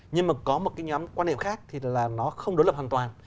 nhưng mà có một cái nhóm quan niệm khác thì là nó không đối lập hoàn toàn